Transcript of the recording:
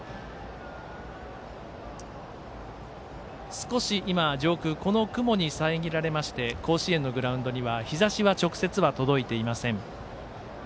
少し今、上空雲に遮られまして甲子園のグラウンドには日ざしは直接は届いていません。